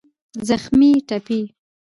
زخمي √ ټپي